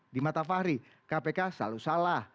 di mata fahri kpk selalu salah